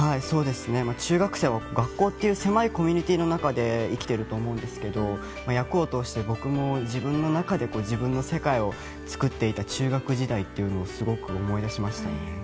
中学生は学校という狭いコミュニティーの中で生きていると思うんですけど役を通して僕も自分の中で自分の世界を作っていた中学時代をすごく思い出しましたね。